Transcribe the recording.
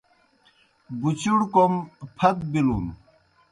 بُچُڑ کوْم پھتبِلُن۔